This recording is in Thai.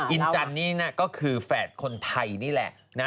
อินจันนี่นะก็คือแฝดคนไทยนี่แหละนะ